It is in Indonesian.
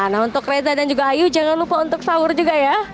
nah untuk reza dan juga ayu jangan lupa untuk sahur juga ya